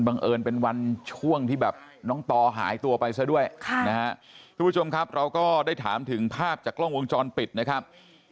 เอิญเป็นวันช่วงที่แบบน้องต่อหายตัวไปซะด้วยค่ะนะฮะทุกผู้ชมครับเราก็ได้ถามถึงภาพจากกล้องวงจรปิดนะครับ